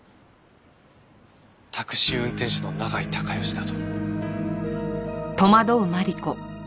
タクシー運転手の永井孝良だと。